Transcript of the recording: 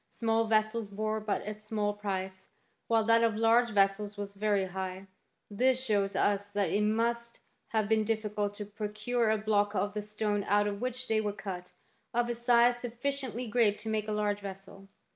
Small vessels bore but a small price, while that of large vessels was very high; this shows us thai; it must have been difficult to procure a block of the stone out of which they were cut, of a size sufficiently great to make a large vessel.